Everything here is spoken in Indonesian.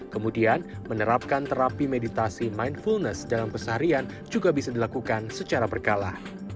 kemudian menerapkan terapi meditasi mindfulness dalam peseharian juga bisa dilakukan secara berkala